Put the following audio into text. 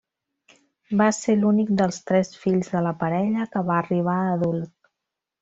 Va ser l'únic dels tres fills de la parella que va arribar a adult.